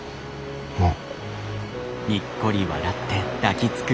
もう。